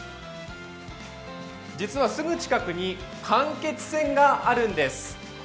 実はすぐ近くに間欠泉があるんです。